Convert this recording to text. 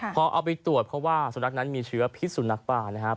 พอเอาไปตรวจเพราะว่าสุนัขนั้นมีเชื้อพิษสุนัขบ้านะครับ